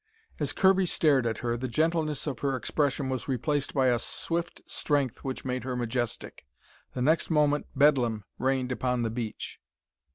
As Kirby stared at her, the gentleness of her expression was replaced by a swift strength which made her majestic. The next moment bedlam reigned upon the beach.